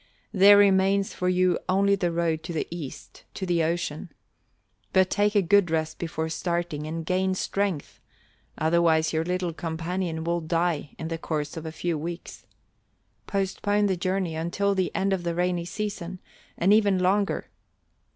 There remains for you only the road to the east, to the ocean. But take a good rest before starting and gain strength, otherwise your little companion will die in the course of a few weeks. Postpone the journey until the end of the rainy season, and even longer.